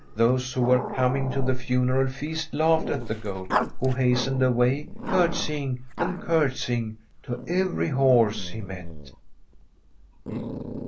Those who were coming to the funeral least laughed at tbe Goat, who hastened away, cactsris^ and cmtsjing to every horse he met.